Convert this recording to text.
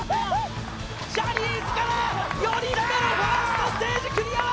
ジャニーズから４人目のファーストステージクリア！